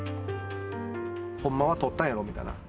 ほんまはとったんやろみたいな。